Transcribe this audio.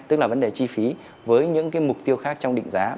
tức là vấn đề chi phí với những cái mục tiêu khác trong định giá